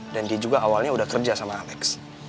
dan dia juga awalnya udah kerja sama alex